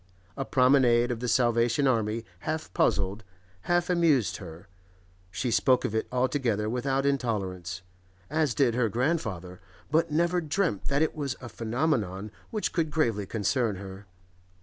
A promenade of the Salvation Army half puzzled, half amused her; she spoke of it altogether without intolerance, as did her grandfather, but never dreamt that it was a phenomenon which could gravely concern her.